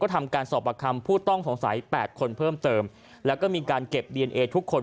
ทำการสอบประคำผู้ต้องสงสัย๘คนเพิ่มเติมแล้วก็มีการเก็บดีเอนเอทุกคน